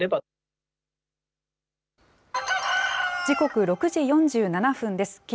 時刻６時４７分です。